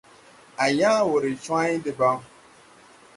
À yãã wɔ ree cwãy debaŋ.